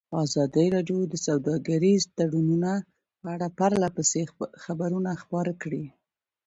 ازادي راډیو د سوداګریز تړونونه په اړه پرله پسې خبرونه خپاره کړي.